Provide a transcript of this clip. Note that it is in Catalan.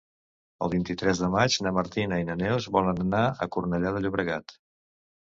El vint-i-tres de maig na Martina i na Neus volen anar a Cornellà de Llobregat.